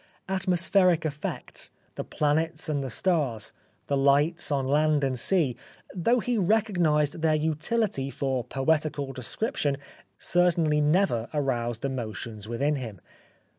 Atmospheric effects, the planets and the stars, the lights on land and sea, though he recognised their utility for poetical description, certainly never aroused emotions within him.